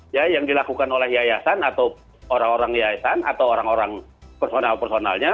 ya yang dilakukan oleh yayasan atau orang orang yayasan atau orang orang personal personalnya